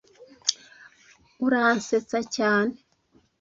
Uransetsa cyane.